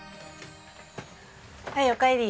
はいおかえり。